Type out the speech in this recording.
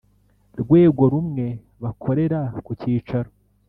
Rwego rumwe bakorera ku cyicaro